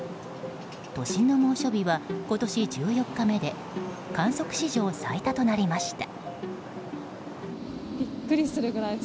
都心の猛暑日は今年１４日目で観測史上最多となりました。